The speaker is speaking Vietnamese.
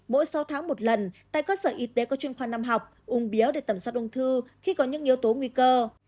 mỗi sáu tháng một lần tại cơ sở y tế có chuyên khoa năm học ung biếu để tầm soát ung thư khi có những yếu tố nguy cơ